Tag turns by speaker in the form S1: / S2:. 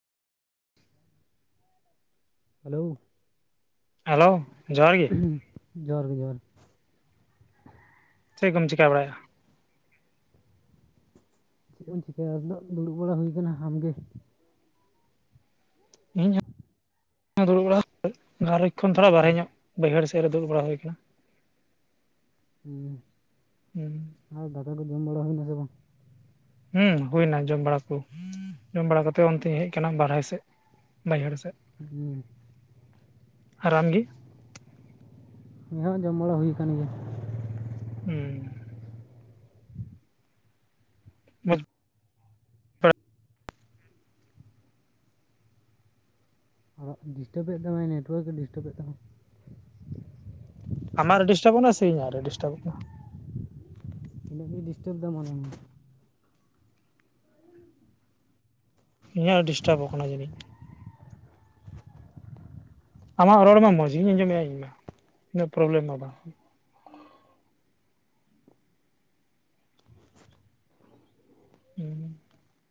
S1: Hello
S2: hello ᱡᱚᱦᱟᱨ ᱜᱮ
S1: ᱡᱚᱦᱟᱨ ᱜᱮ ᱡᱚᱦᱟᱨ
S2: ᱪᱮᱫ ᱠᱚᱢ ᱪᱤᱠᱟᱹ ᱵᱟᱲᱟᱭᱟ?
S1: ᱪᱮᱫ ᱮᱢ ᱪᱤᱠᱟᱹᱭᱟ ᱟᱥ ᱫᱩᱲᱩᱵ ᱵᱟᱲᱟ ᱦᱩᱭ ᱟᱠᱟᱱᱟ ᱟᱢᱜᱮ
S2: ᱤᱧᱦᱚᱸ ᱫᱩᱲᱩᱵᱲᱟ ᱜᱟᱞᱚᱪ ᱠᱷᱚᱱ ᱛᱷᱚᱲᱟ
S1: ᱟᱪᱪᱷᱟ,
S2: ᱵᱟᱨᱦᱮ ᱧᱚᱜ ᱵᱟᱹᱭᱦᱟᱹᱲ ᱥᱮᱫ ᱨᱮ ᱫᱩᱲᱩᱵ ᱵᱟᱲᱟ ᱦᱩᱭ ᱟᱠᱟᱱᱟ᱾ ᱦᱩᱸ
S1: ᱦᱮᱸ ᱟᱨ ᱫᱟᱠᱟ ᱠᱚ ᱡᱚᱢ ᱵᱟᱲᱟ ᱦᱩᱭᱱᱟ ᱥᱮ ᱵᱟᱝ?
S2: ᱦᱮᱸ ᱦᱩᱭᱱᱟ ᱡᱚᱢ ᱵᱟᱲᱟ ᱠᱚ ᱡᱚᱢ ᱵᱟᱲᱟ ᱠᱟᱛᱮᱜ ᱚᱱᱛᱮᱧ ᱦᱮᱡ ᱟᱠᱟᱱᱟ ᱵᱟᱨᱦᱟᱭ ᱥᱮᱫ ᱵᱟᱹᱭᱦᱟᱹᱲ ᱥᱮᱫ
S1: ᱦᱮᱸ
S2: ᱟᱨ ᱟᱢᱜᱮ?
S1: ᱩᱱᱤ ᱦᱚᱸ ᱡᱚᱢ ᱵᱟᱲᱟ ᱦᱩᱭ ᱠᱟᱱᱟᱱ ᱜᱮᱭᱟ
S2: ᱦᱮᱸ ᱵᱟᱝ [unintelligible]
S1: ᱟᱨᱚ ᱰᱤᱥᱴᱟᱵ ᱮᱫ ᱛᱟᱢᱟ ᱱᱮᱴᱳᱣᱟᱨᱠ ᱮ ᱰᱤᱥᱴᱟᱵᱽ ᱮᱫ ᱛᱟᱢᱟ
S2: ᱟᱢᱟᱜ ᱰᱤᱥᱴᱟᱵᱚᱜ ᱠᱟᱱᱟ ᱥᱮ ᱤᱧᱟᱹᱜᱟᱜ ᱰᱤᱥᱴᱟᱵᱚᱜ ᱠᱟᱱᱟ
S1: ᱤᱱᱟᱹᱜ ᱜᱮ ᱰᱤᱥᱴᱟᱵᱽ ᱫᱟᱭ ᱢᱚᱱᱮᱦᱚᱭ
S2: ᱤᱧᱟᱹᱜ ᱰᱤᱥᱴᱟᱵᱽ ᱟᱠᱟᱱᱟ ᱡᱟᱹᱱᱤᱡ ᱟᱢᱟᱜ ᱨᱚᱲ ᱢᱟ ᱢᱚᱸᱡᱽ ᱜᱤᱧ ᱟᱸᱡᱚᱢᱮᱜᱼᱟ ᱤᱧᱢᱟ ᱩᱱᱟᱹᱜ ᱯᱨᱚᱵᱞᱮᱢ ᱢᱟ ᱵᱟᱝ
S1: [inaudible]
S2: ᱦᱮᱸ